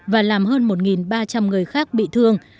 và làm hơn một ba trăm linh người khác bị thương